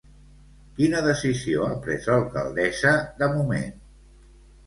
Quina decisió ha pres l'alcaldessa de moment?